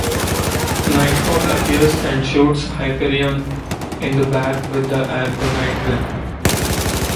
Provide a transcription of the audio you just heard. Nighthawk appears and shoots Hyperion in the back with the Argonite gun.